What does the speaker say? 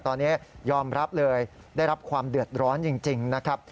ตอนนี้ยอมรับเลยได้รับความเดือดร้อนจริงนะครับ